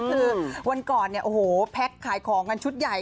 คือวันก่อนเนี่ยโอ้โหแพ็คขายของกันชุดใหญ่